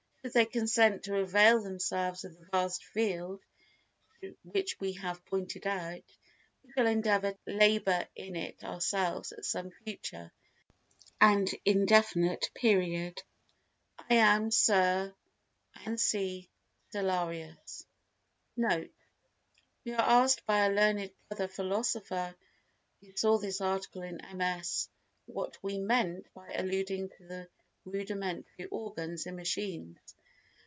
Should they consent to avail themselves of the vast field which we have pointed out, we shall endeavour to labour in it ourselves at some future and indefinite period. I am, Sir, &c., CELLARIUS. NOTE.—We were asked by a learned brother philosopher who saw this article in MS. what we meant by alluding to rudimentary organs in machines.